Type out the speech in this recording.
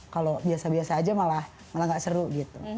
kalau biasa biasa aja malah gak seru gitu